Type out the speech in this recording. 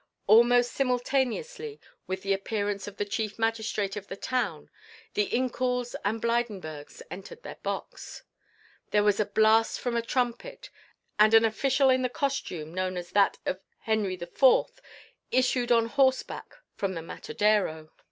Almost simultaneously with the appearance of the chief magistrate of the town, the Incouls and Blydenburgs entered their box. There was a blast from a trumpet and an official in the costume known as that of Henri IV. issued on horseback from the matedero.